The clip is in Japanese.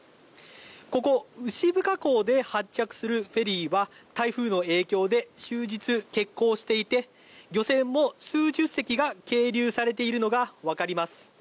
ここ牛深港で発着するフェリーは台風の影響で終日欠航していて、漁船も数十隻が係留されているのが分かります。